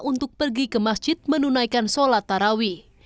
untuk pergi ke masjid menunaikan sholat tarawih